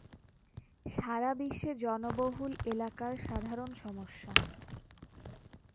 সারাবিশ্বে জনবহুল এলাকার সাধারণ সমস্যা।